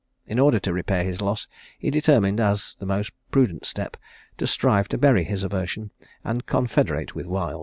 In order to repair his loss, he determined, as the most prudent step, to strive to bury his aversion, and confederate with Wild.